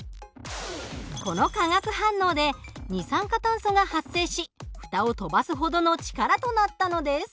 この化学反応で二酸化炭素が発生し蓋を飛ばすほどの力となったのです。